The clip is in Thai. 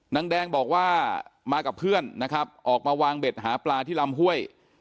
นางแดงบอกว่ามากับเพื่อนนะครับออกมาวางเบ็ดหาปลาที่ลำห้วย